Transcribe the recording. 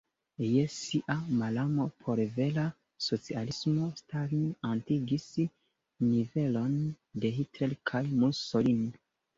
Je sia malamo por vera socialismo Stalin atingis nivelon de Hitler kaj Mussolini.